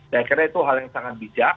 dan akhirnya itu hal yang sangat bijak